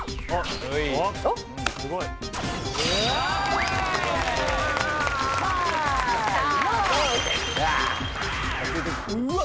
すごい！